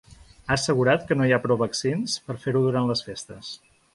Ha assegurat que no hi ha prou vaccins per fer-ho durant les festes.